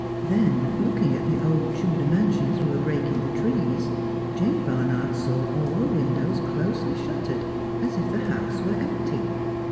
Then, looking at the old Tudor mansion through a break in the trees, Jane Barnard saw all the windows closely shuttered, as if the house were empty.